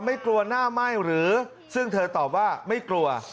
ไม่กลัวหน้าไหม้หรือซึ่งเธอตอบว่าไม่กลัว